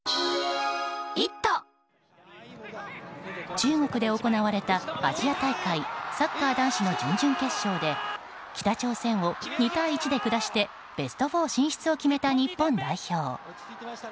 中国で行われたアジア大会サッカー男子の準々決勝で北朝鮮を２対１で下してベスト４進出を決めた日本代表。